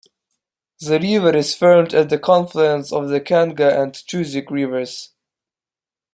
The river is formed at the confluence of the Kenga and Chuzik Rivers.